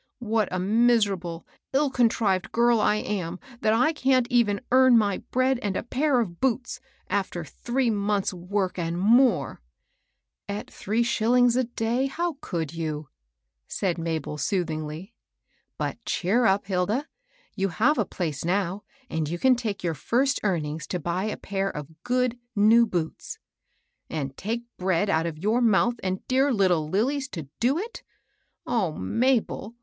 What a miserable, ill contrived girl I am, that I can't earn even my bread and a pair of boots, after three months' work, and more I "" At three shillings a day, how could you ?" said Mabel, soothingly. " But cheer up, Hilda. You have a place now, and you can take your first earnings to buy a pair of good, new boots." " And take bread out of your mouth and dear little Lilly's to do it I O Mabel